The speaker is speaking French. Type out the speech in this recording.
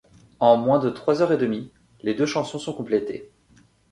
En moins de trois heures et demie, les deux chansons sont complétés.